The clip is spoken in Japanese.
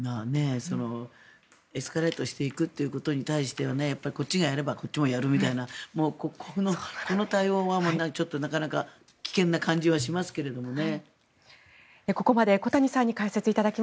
エスカレートしていくということに対してはこっちがやればこっちもやるみたいなこの対応はなかなか危険な感じはしますけれどね。